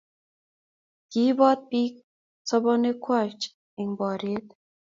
kiiboot biik sobonikwach eng' boriet